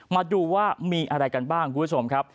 มาดูว่ามีอะไรกันบ้างคุณผู้ชมครับ